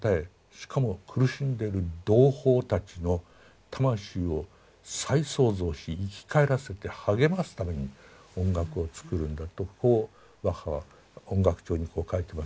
しかも苦しんでる同胞たちの魂を再創造し生き返らせて励ますために音楽を作るんだとこうバッハは音楽帳に書いてますが。